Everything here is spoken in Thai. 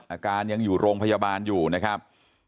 อาการยังอยู่โรงพยาบาลอยู่นะครับ